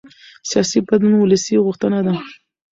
سیاسي بدلون ولسي غوښتنه ده